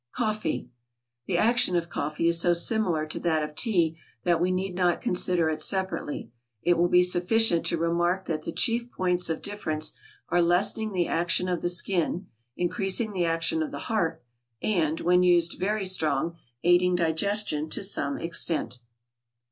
=Coffee.= The action of coffee is so similar to that of tea that we need not consider it separately; it will be sufficient to remark that the chief points of difference are lessening the action of the skin, increasing the action of the heart, and, when used very strong, aiding digestion to some extent.